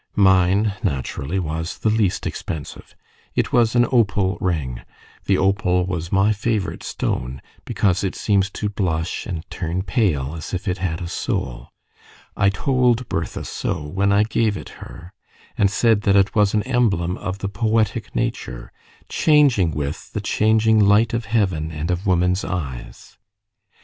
Mine, naturally, was the least expensive; it was an opal ring the opal was my favourite stone, because it seems to blush and turn pale as if it had a soul. I told Bertha so when I gave it her, and said that it was an emblem of the poetic nature, changing with the changing light of heaven and of woman's eyes.